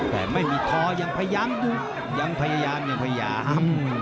แต่ไม่มีทอยังพยายามยังพยายามอย่างพยาหลัง